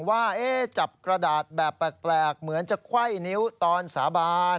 ว่าจับกระดาษแบบแปลกเหมือนจะไขว้นิ้วตอนสาบาน